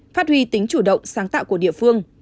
phát huy tính chủ động sáng tạo của địa phương